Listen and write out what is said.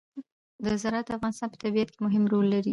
زراعت د افغانستان په طبیعت کې مهم رول لري.